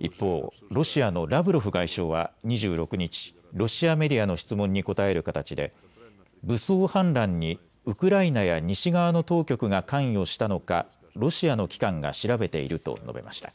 一方、ロシアのラブロフ外相は２６日、ロシアメディアの質問に答える形で武装反乱にウクライナや西側の当局が関与したのか、ロシアの機関が調べていると述べました。